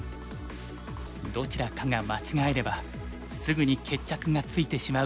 どちらかが間違えればすぐに決着がついてしまう展開に。